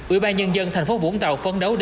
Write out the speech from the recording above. ủy ban nhân dân thành phố vũng tàu phấn đấu đưa